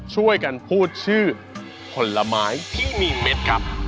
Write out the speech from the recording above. ช่วยกันพูดชื่อผลไม้ที่มีเม็ดครับ